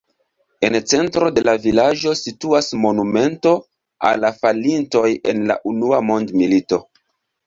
En centro de la vilaĝo situas monumento al la falintoj en la unua mondmilito.